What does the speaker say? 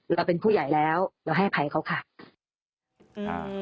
เราเป็นผู้ใหญ่แล้วเราให้อภัยเขาค่ะ